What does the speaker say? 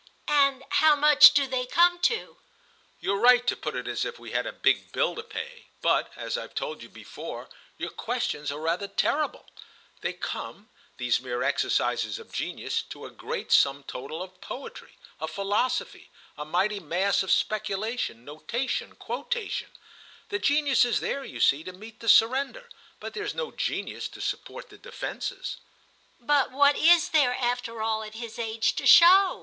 "And how much do they come to?" "You're right to put it as if we had a big bill to pay, but, as I've told you before, your questions are rather terrible. They come, these mere exercises of genius, to a great sum total of poetry, of philosophy, a mighty mass of speculation, notation, quotation. The genius is there, you see, to meet the surrender; but there's no genius to support the defence." "But what is there, after all, at his age, to show?"